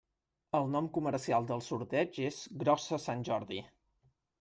El nom comercial del sorteig és “Grossa Sant Jordi”.